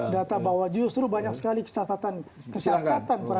data bahwa justru banyak sekali kesyarakatan